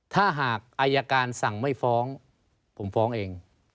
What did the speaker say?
ถ้าหากอายการสั่งไม่ฟ้องผมฟ้องเอง